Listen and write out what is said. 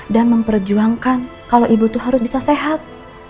dan memperjuangkan kalau ibu itu harus bisa sehat